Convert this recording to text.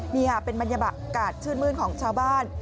นี่ค่ะเป็นบรรยากาศชื่นมื้นของชาวบ้าน